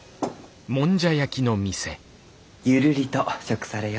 ゆるりと食されよ。